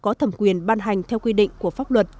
có thẩm quyền ban hành theo quy định của pháp luật